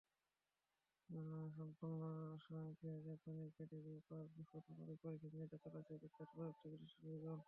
সম্পূর্ণ স্বয়ংক্রিয় জাপানি গাড়ি নিয়ে পাঁচ বছর ধরে পরীক্ষা-নিরীক্ষা চালাচ্ছে বিখ্যাত প্রযুক্তিপ্রতিষ্ঠান গুগল।